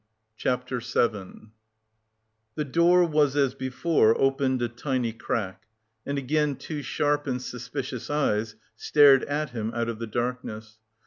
CHAPTER VII The door was as before opened a tiny crack, and again two sharp and suspicious eyes stared at him out of the darkness.